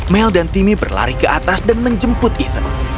mel dan timmy berlari ke atas dan menjemput even